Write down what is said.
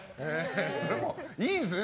それもいいんですよね。